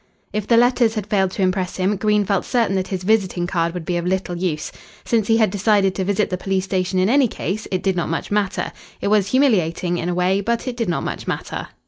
If the letters had failed to impress him, Green felt certain that his visiting card would be of little use. Since he had decided to visit the police station in any case, it did not much matter. It was humiliating, in a way, but it did not much matter.